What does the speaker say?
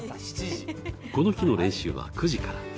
この日の練習は９時から。